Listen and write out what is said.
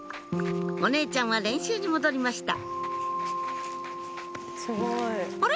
お姉ちゃんは練習に戻りましたあれ？